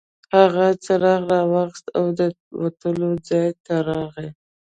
هغه څراغ راواخیست او د وتلو ځای ته راغی.